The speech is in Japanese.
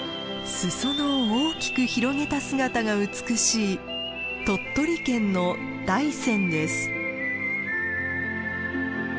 裾野を大きく広げた姿が美しい鳥取県の大山です。